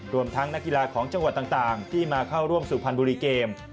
รวมทั้งนักกีฬาของจังหวัดต่างที่มาเข้าร่วมสุพรรณบุรีเกม